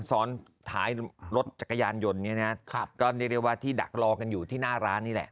ซ้อนท้ายรถจักรยานยนต์เนี่ยนะครับก็เรียกได้ว่าที่ดักรอกันอยู่ที่หน้าร้านนี่แหละ